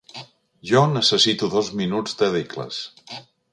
Jo necessito dos minuts de decles.